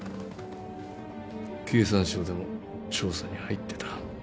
経産省でも調査に入ってた。